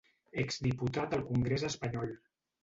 Ex-diputat al congrés espanyol.